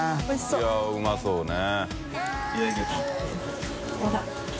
いうまそうね。